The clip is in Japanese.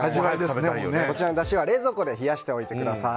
こちらのだしは冷蔵庫で冷やしておいてください。